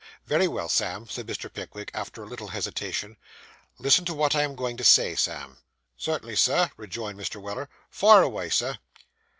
'Very well, Sam,' said Mr. Pickwick, after a little hesitation; 'listen to what I am going to say, Sam.' 'Cert'nly, Sir,' rejoined Mr. Weller; 'fire away, Sir.